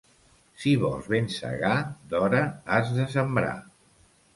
Si vols ben segar, d'hora has de sembrar.